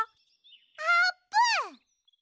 あーぷん！